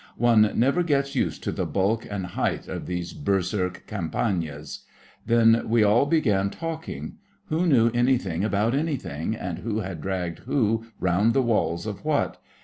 One never gets used to the bulk and height of these berserk Campanias. Then we all began talking. Who knew anything about anything; and who had dragged who round the walls of what?